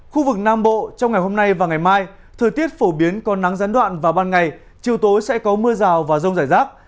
khu vực nam bộ trong ngày hôm nay và ngày mai thời tiết phổ biến còn nắng gián đoạn vào ban ngày chiều tối sẽ có mưa rào và rông rải rác